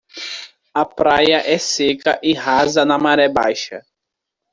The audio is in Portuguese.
A praia é seca e rasa na maré baixa.